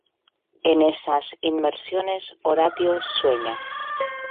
En esas inmersiones, Horatio sueña.